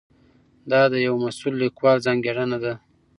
دا د یوه مسؤل لیکوال ځانګړنه ده.